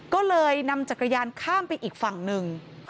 ก็เลยนำจักรยานข้ามไปอีกฝั่งหนึ่ง